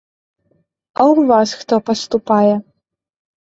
А ў вас хто паступае?